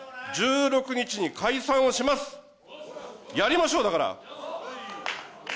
１６日に解散をします、やりましょう、だから。